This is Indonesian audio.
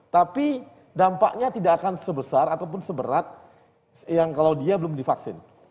tapi dampaknya tidak akan sebesar ataupun seberat yang kalau dia belum divaksin